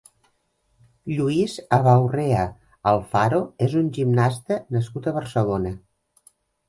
Lluís Abaurrea Alfaro és un gimnasta nascut a Barcelona.